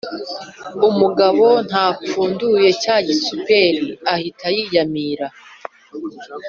umugabo ntapfunduye cya gisuperi ahita yiyamirira